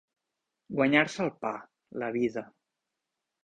Guanyar-se el pa, la vida.